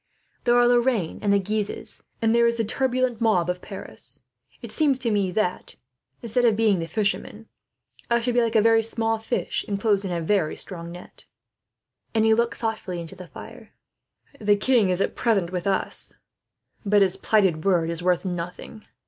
There are Lorraine and the Guises, there are the priests, and there is the turbulent mob of Paris. It seems to me that, instead of being the fisherman, I should be like a very small fish, enclosed in a very strong net." And he looked thoughtfully into the fire. "The king is, at present, with us; but his plighted word is worth nothing."